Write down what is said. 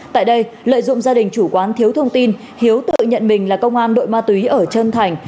tại đây lợi dụng gia đình chủ quán thiếu thông tin hiếu tự nhận mình là công an đội ma túy ở chân thành